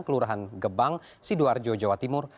kelurahan gebang sidoarjo jawa timur